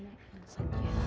buat kesana ya